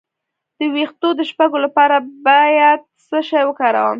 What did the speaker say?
د ویښتو د شپږو لپاره باید څه شی وکاروم؟